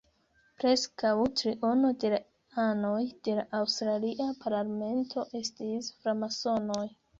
Preskaŭ triono de la anoj de la aŭstralia parlamento estis framasonoj.